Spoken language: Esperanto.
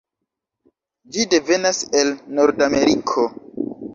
Ĝi devenas el nordameriko.